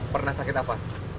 pernah sakit apa